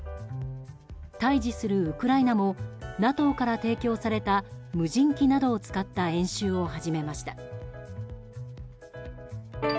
対峙するウクライナもＮＡＴＯから提供された無人機などを使った演習を始めました。